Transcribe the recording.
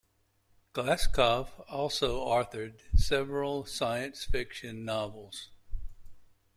Glazkov also authored several science-fiction novels.